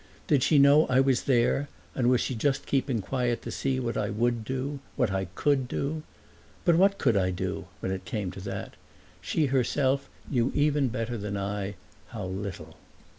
Did she know I was there and was she just keeping quiet to see what I would do what I COULD do? But what could I do, when it came to that? She herself knew even better than I how little.